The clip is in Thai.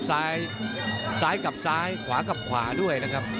ซ้ายซ้ายกับซ้ายขวากับขวาด้วยนะครับ